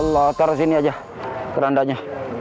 latar sini aja terandanya